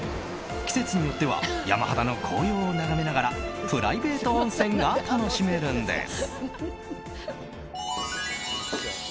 季節によっては山肌の紅葉を眺めながらプライベート温泉が楽しめるんです。